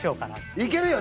いけるよ。